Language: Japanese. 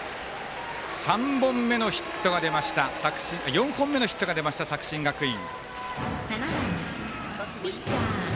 ４本目のヒットが出ました作新学院。